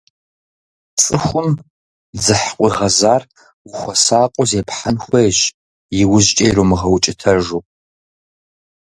Цӏыхум дзыхь къыуигъэзар, ухуэсакъыу зепхьэн хуейщ, иужькӏэ ирумыгъэукӏытэжу.